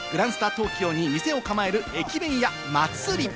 東京に店を構える「駅弁屋祭」。